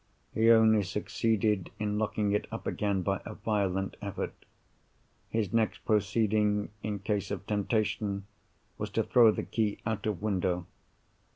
He only succeeded in locking it up again by a violent effort. His next proceeding, in case of temptation, was to throw the key out of window.